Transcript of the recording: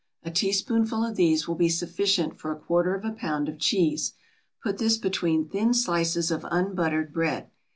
A teaspoonful of these will be sufficient for a quarter of a pound of cheese. Put this between thin slices of unbuttered bread.